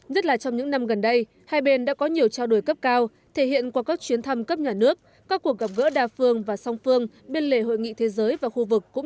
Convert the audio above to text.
nhất là trong những năm gần đây hai bên đã có nhiều trao đổi cấp cao thể hiện qua các chuyến thăm cấp nhà nước các cuộc gặp gỡ đa phương và song phương bên lề hội nghị thế giới và khu vực